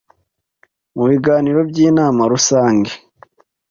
Mu biganiro by’inama rusange